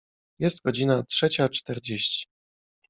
Jest godzina trzecia czterdzieści.